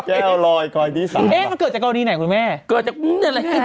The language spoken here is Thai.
้ามันเกิดจากเก้านี้แหละคุณแม่